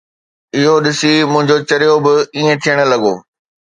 اهو ڏسي منهنجو چريو به ائين ٿيڻ لڳو.